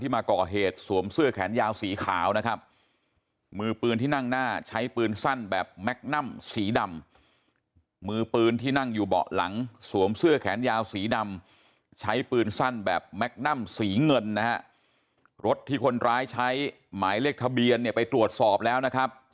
แมคนั่มศรีเงินนะฮะรถที่คนร้ายใช้หมายเลขทะเบียนไปตรวจสอบแล้วนะครับ